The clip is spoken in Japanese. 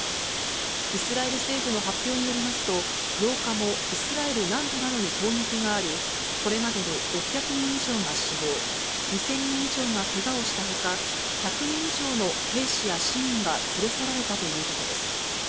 イスラエル政府の発表によりますと、８日もイスラエル南部などに攻撃があり、これまでに６００人以上が死亡、２０００人以上がけがをしたほか、１００人以上の兵士や市民が連れ去られたということです。